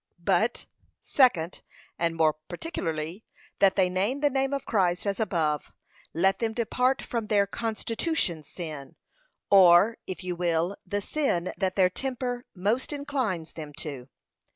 But, Second, And more particularly, they that name the name of Christ, as above, let them depart from their CONSTITUTION SIN, or, if you will, the sin that their temper most inclines them to.